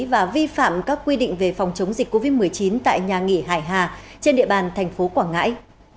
và vi phạm các quy định về phòng chống dịch covid một mươi chín tại nhà nghỉ hải hà trên địa bàn thành phố quảng ngãi